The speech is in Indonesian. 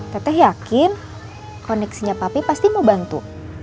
teteh yakin koneksinya papi pasti mau bantu